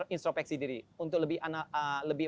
instropeksi diri untuk lebih